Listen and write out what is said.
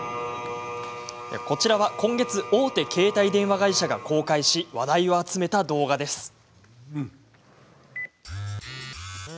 こちらは今月、大手携帯電話会社が公開し話題を集めた動画です。